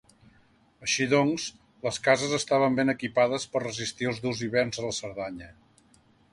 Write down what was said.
Així doncs, les casses estaven ben equipades per resistir els durs hiverns a la Cerdanya.